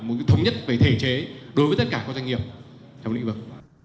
một cái thống nhất về thể chế đối với tất cả các doanh nghiệp trong lĩnh vực